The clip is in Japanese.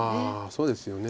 そうですよね。